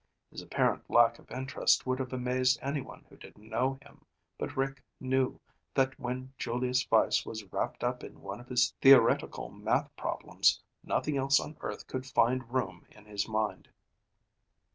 His apparent lack of interest would have amazed anyone who didn't know him, but Rick knew that when Julius Weiss was wrapped up in one of his theoretical math problems, nothing else on earth could find room in his mind.